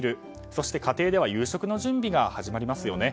そして、家庭では夕食の準備が始まりますよね。